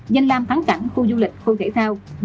danh lam thắng cảnh khu du lịch khu thể thao